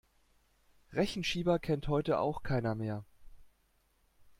Rechenschieber kennt heute auch keiner mehr.